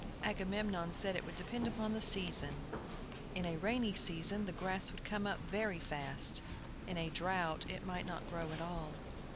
Agamemnon said it would depend upon the season. In a rainy season the grass would come up very fast, in a drought it might not grow at all.